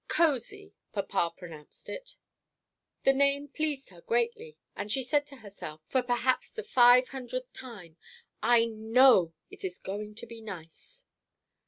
"Cosy," papa pronounced it. The name pleased her greatly, and she said to herself, for perhaps the five hundredth time, "I know it is going to be nice."